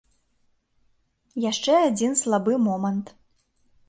Яшчэ адзін слабы момант.